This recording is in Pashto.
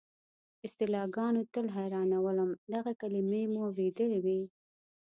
اصطلاحګانو تل حیرانولم، دغه کلیمې مو اورېدلې وې.